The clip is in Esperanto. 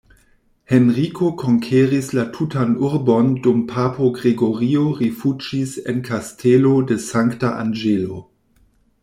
Henriko konkeris la tutan urbon dum papo Gregorio rifuĝis en Kastelo de Sankta Anĝelo.